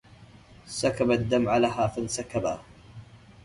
سكب الدمع لها فانسكبا